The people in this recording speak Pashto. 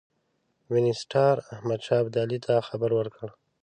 وینسیټار احمدشاه ابدالي ته خبر ورکړ.